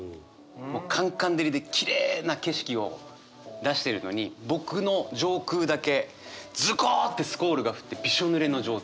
もうカンカン照りできれいな景色を出してるのに僕の上空だけズコってスコールが降ってびしょぬれの状態。